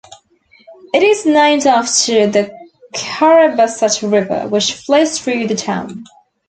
It is named after the Carrabassett River, which flows through the town.